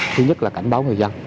thứ nhất là cảnh báo người dân